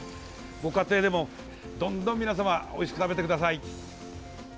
ご家庭でもどんどん皆様おいしく食べてください。